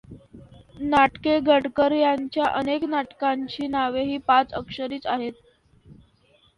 नाटके गडकर् यांच्या अनेक नाटकांची नावे ही पाच अक्षरीच आहेत.